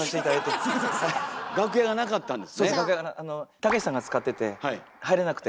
たけしさんが使ってて入れなくて。